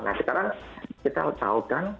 nah sekarang kita tahu kan